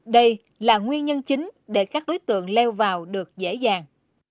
đây là nguyên nhân chính để các đối tượng leo vào được dễ dàng